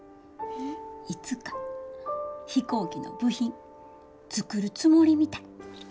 いつか飛行機の部品作るつもりみたい。